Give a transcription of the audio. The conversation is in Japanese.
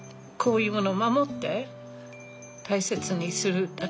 こういうもの守って大切にする。